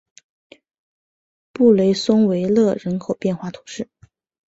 布雷松维勒人口变化图示